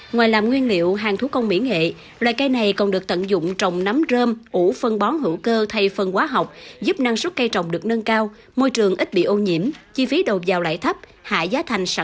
ngoài làm nguyên liệu hàng thú công mỹ nghệ loài cây này còn được tận dụng trồng nấm rơm ủ phân bón hữu cơ thay phân hóa học giúp năng suất cây trồng được nâng cao môi trường ít bị ô nhiễm chi phí đồ giàu lại thấp hạ giá thành sản phẩm có thêm nhiều nguồn rau sạch trái cây sạch